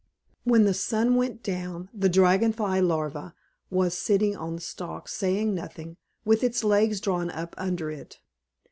When the sun went down the Dragon Fly Larva was sitting on the stalk, saying nothing, with its legs drawn up under it.